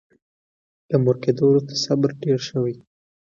له مور کېدو وروسته صبر ډېر شوی.